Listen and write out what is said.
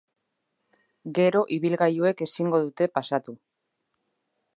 Gero ibilgailuek ezingo dute pasatu.